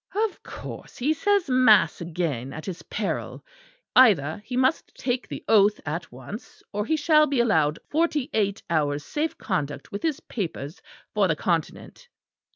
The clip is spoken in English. "Of course he says mass again at his peril. Either he must take the oath at once, or he shall be allowed forty eight hours' safe conduct with his papers for the Continent."